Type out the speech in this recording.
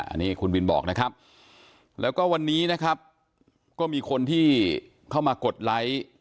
อันนี้คุณวินบอกนะครับแล้วก็วันนี้นะครับก็มีคนที่เข้ามากดไลค์